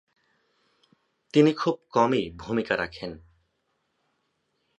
তিনি খুব কমই ভূমিকা রাখেন।